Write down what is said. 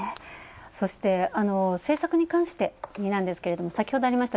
そして、政策に関してなんですけど先ほどありました、